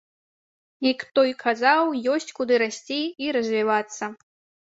Як той казаў, ёсць куды расці і развівацца.